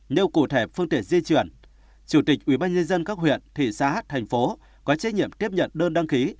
nếu cụ thể phương tiện di chuyển chủ tịch ubnd các huyện thị xã thành phố có trách nhiệm tiếp nhận đơn đăng ký